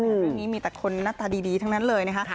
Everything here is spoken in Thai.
เรื่องนี้มีแต่คนหน้าตาดีทั้งนั้นเลยนะคะ